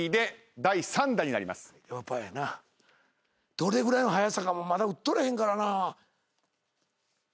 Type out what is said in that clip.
どれぐらいの速さかまだ打っとれへんからな。